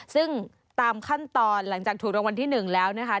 ซึ่งตามขั้นตอนหลังจากถูกรางวัลที่๑แล้วนะคะ